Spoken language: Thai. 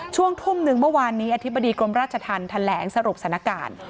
ช่วงทุ่มหนึ่งเมื่อวานนี้อธิบดีกรมราชธรรมแถลงสรุปสถานการณ์